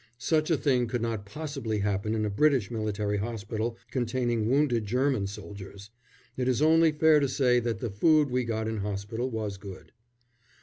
Such a thing could not possibly happen in a British military hospital containing wounded German soldiers. It is only fair to say that the food we got in hospital was good.